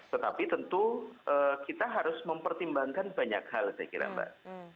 tetapi tentu kita harus mempertimbangkan banyak hal saya kira mbak